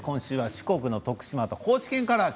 四国の徳島と高知県からです。